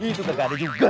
itu kagak ada juga